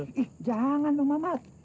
ih jangan bang mamat